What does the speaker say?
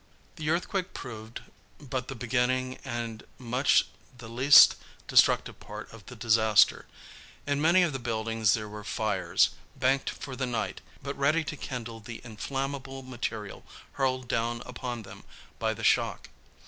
The earthquake proved but the beginning and much the least destructive part of the disaster. In many of the buildings there were fires, banked for the night, but ready to kindle the inflammable material hurled down upon them by the shock.